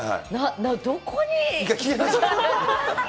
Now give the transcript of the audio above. どこに？